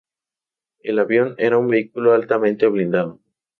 El avión era un vehículo altamente blindado.